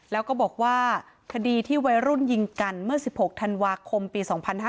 แล้วก็บอกว่าคดีที่วัยรุ่นยิงกันเมื่อ๑๖ธันวาคมปี๒๕๕๙